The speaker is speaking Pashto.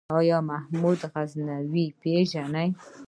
آيا محمود غزنوي پېژنې ؟